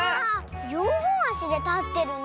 よんほんあしでたってるね。